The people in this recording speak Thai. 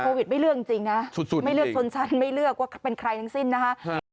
ใช่ค่ะโพวิดไม่เลือกจริงนะครับไม่เลือกสนชันไม่เลือกว่าเป็นใครทั้งสิ้นนะครับ